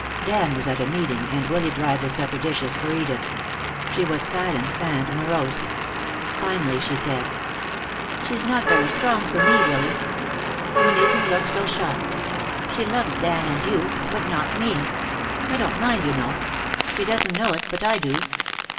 Dan was at a meeting, and Willy dried the supper dishes for Edith. She was silent and morose. Finally she said: "She's not very strong for me, Willy. You needn't look so shocked. She loves Dan and you, but not me. I don't mind, you know. She doesn't know it, but I do."